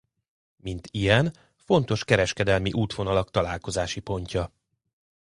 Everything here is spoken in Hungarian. Mint ilyen fontos kereskedelmi útvonalak találkozási pontja.